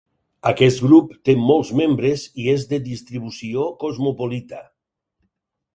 Aquest grup té molts membres i és de distribució cosmopolita.